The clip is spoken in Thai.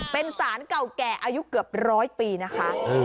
เป็นสารเก่าแก่อายุเกือบร้อยปีนะคะ